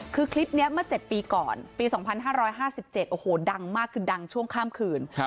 คือคลิปนี้เมื่อ๗ปีก่อนปี๒๕๕๗โอ้โหดังมากคือดังช่วงข้ามคืน